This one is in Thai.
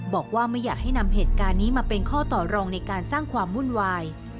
บอกว่าไม่อยากให้นำเหตุการณ์นี้มาเป็นข้อต่อรองในการสร้างความวุ่นวาย